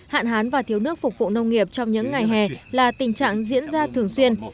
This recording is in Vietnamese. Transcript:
hạn hán và thiếu nước phục vụ nông nghiệp trong những ngày hè là tình trạng diễn ra thường xuyên